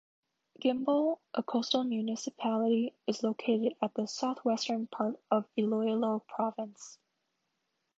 Guimbal, a coastal municipality, is located at the south-western part of Iloilo province.